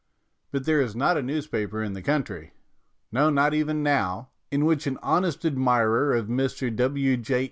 But there is not a newspaper in the country no, not even now in which an honest admirer of Mr. W. J.